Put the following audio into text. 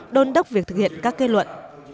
đôn đốc việc thực hiện các kết luận